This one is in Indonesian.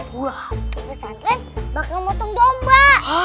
di pesan ren bakal motong domba